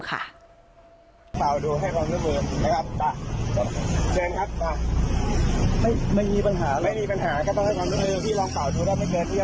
เอาข้อมูลก่อนนะเอาข้อมูลก่อนนะ